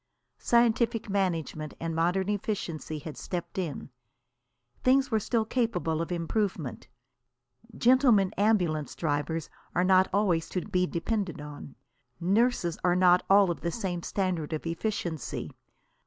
Scientific management and modern efficiency had stepped in. Things were still capable of improvement. Gentlemen ambulance drivers are not always to be depended on. Nurses are not all of the same standard of efficiency.